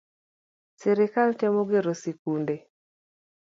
Sirkal temo gero sikunde